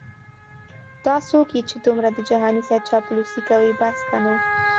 دا څوک یې چې دمره د جهانې صیب چاپلوسې کوي بس که نو